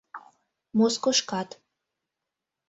Москошкат